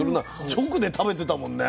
直で食べてたもんね。